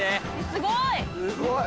すごい！